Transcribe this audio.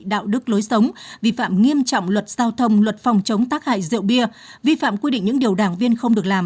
đạo đức lối sống vi phạm nghiêm trọng luật giao thông luật phòng chống tác hại rượu bia vi phạm quy định những điều đảng viên không được làm